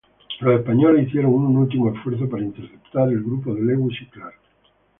Los españoles hicieron un último esfuerzo para interceptar al grupo de Lewis y Clark.